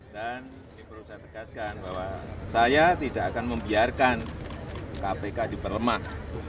dan ini perlu saya tegaskan bahwa saya tidak akan membiarkan kpk diperlemah